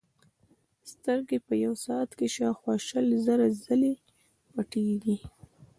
سترګې په یوه ساعت کې شاوخوا شل زره ځلې پټېږي.